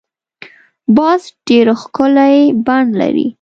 باز ډېر ښکلی بڼ لري